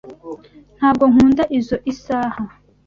Ntabwo nkunda izoi saha.